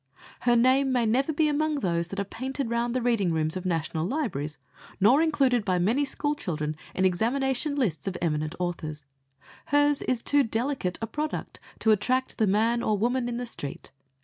Her name may never be among those that are painted round the reading rooms of National Libraries, nor included by many school children in examination lists of eminent authors. Hers is too delicate a product to attract the man or woman "in the street."